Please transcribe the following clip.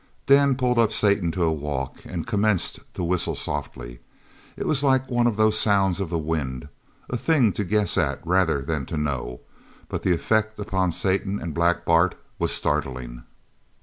Dan pulled up Satan to a walk and commenced to whistle softly. It was like one of those sounds of the wind, a thing to guess at rather than to know, but the effect upon Satan and Black Bart was startling.